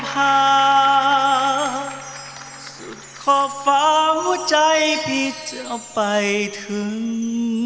หากสุดขอบฟ้าหัวใจพี่จะไปถึง